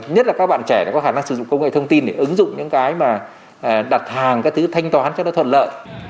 nhất là các bạn trẻ có khả năng sử dụng công nghệ thông tin để ứng dụng những cái mà đặt hàng các thứ thanh toán cho nó thuận lợi